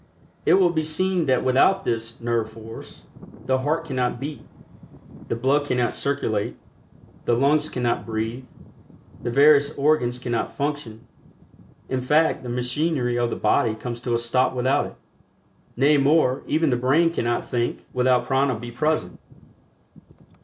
It will be seen that without this "nerve force" the heart cannot beat; the blood cannot circulate; the lungs cannot breathe; the various organs cannot function; in fact the machinery of the body comes to a stop without it. Nay more, even the brain cannot think without Prana be present.